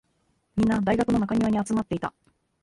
みんな、大学の中庭に集まっていた。